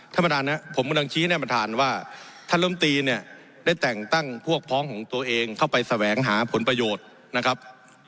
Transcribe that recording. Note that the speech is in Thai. ท่านประธานนะผมกำลังชี้แน่ประธานว่าท่านล้มตีเนี่ยได้แต่งตั้งพวกพ้องของตัวเองเข้าไปแสวงหาผลประโยชน์นะครับ